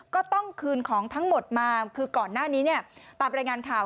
ก็ต้องคืนของทั้งหมดมาคือก่อนหน้านี้เนี่ยตามรายงานข่าว